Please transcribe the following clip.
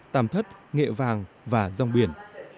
tàm thất nghệ vàng và dòng biển